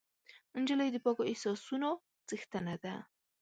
نجلۍ د پاکو احساسونو څښتنه ده.